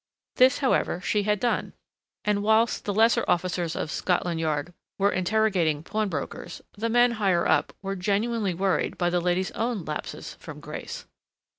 This, however, she had done and whilst the lesser officers of Scotland Yard were interrogating pawnbrokers, the men higher up were genuinely worried by the lady's own lapses from grace.